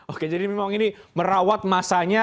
oke jadi memang ini merawat masanya